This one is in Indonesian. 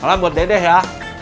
salam buat dedeh ya